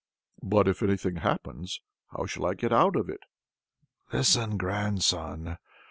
"But if anything happens, how shall I get out of it?" "Listen, grandson!